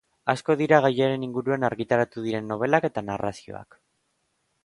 Asko dira gaiaren inguruan argitaratu diren nobelak eta narrazioak.